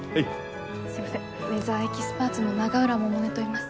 すいませんウェザーエキスパーツの永浦百音といいます。